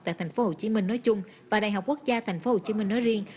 tại tp hcm nói chung và đại học quốc gia tp hcm nói riêng